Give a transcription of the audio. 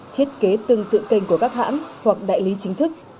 thiết kế tương tự kênh của các hãng hoặc đại lý chính thức